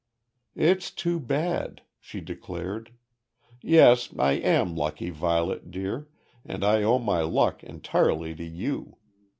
"It's too bad," she declared. "Yes, I am lucky, Violet, dear, and I owe my luck entirely to you.